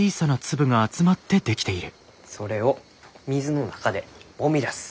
それを水の中でもみ出す。